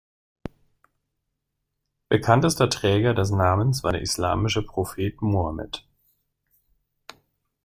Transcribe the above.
Bekanntester Träger des Namens war der islamische Prophet Mohammed.